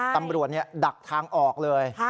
ตำรวจดักทางออกเลย